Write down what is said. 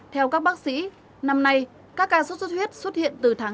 theo các bác sĩ năm nay các ca sốt sốt huyết xuất hiện từ tháng chín